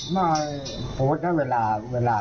ไม่โหม่แล้วเวลา